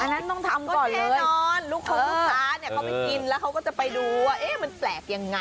นั่นต้องทำก่อนเลยก็แทนร์นลูกครรภาษาเนี่ยเข้าไปกินแล้วเขาก็จะไปดูว่าแหมมันแปลกยังไง